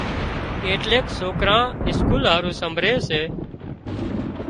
ايٽليڪ سوڪران اسڪول هارُو سمڀرِي ري سي۔